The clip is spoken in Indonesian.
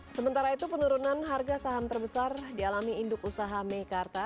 sementara itu penurunan harga saham terbesar dialami induk usaha meikarta